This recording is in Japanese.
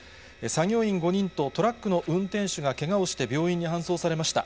作業員５人と、トラックの運転手がけがをして病院に搬送されました。